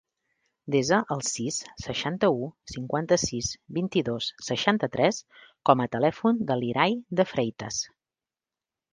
Desa el sis, seixanta-u, cinquanta-sis, vint-i-dos, seixanta-tres com a telèfon de l'Irai De Freitas.